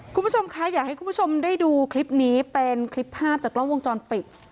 คุณผู้ชมคะอยากให้คุณผู้ชมได้ดูคลิปนี้เป็นคลิปภาพจากกล้องวงจรปิด